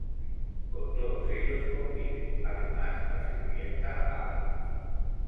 Con todos ellos convive, además, la sirvienta Alice.